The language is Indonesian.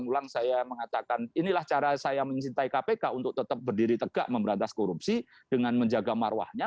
terus ulang ulang saya mengatakan inilah cara saya mengisintai kpk untuk tetap berdiri tegak memberantas korupsi dengan menjaga maruahnya